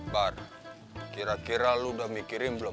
bar kira kira lo udah mikirin belum